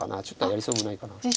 ちょっとやりそうもないかな。